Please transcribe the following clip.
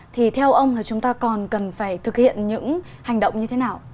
thì theo ông là chúng ta còn cần phải thực hiện những hành động như thế nào